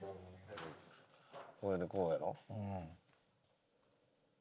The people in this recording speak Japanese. これでこうやろ？